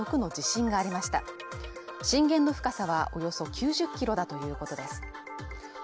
震源の深さはおよそ９０キロだということです